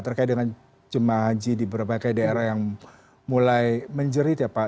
terkait dengan jemaah haji di berbagai daerah yang mulai menjerit ya pak